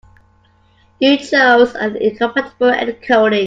You chose an incompatible encoding.